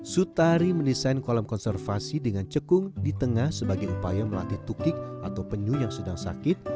sutari mendesain kolam konservasi dengan cekung di tengah sebagai upaya melatih tukik atau penyu yang sedang sakit